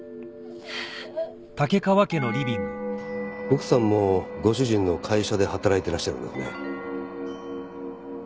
奥さんもご主人の会社で働いてらっしゃるんですね。